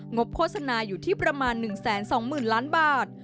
บโฆษณาอยู่ที่ประมาณ๑๒๐๐๐ล้านบาท